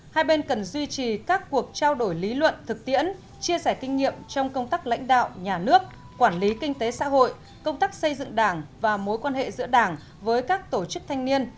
hai bên cần duy trì các cuộc trao đổi lý luận thực tiễn chia sẻ kinh nghiệm trong công tác lãnh đạo nhà nước quản lý kinh tế xã hội công tác xây dựng đảng và mối quan hệ giữa đảng với các tổ chức thanh niên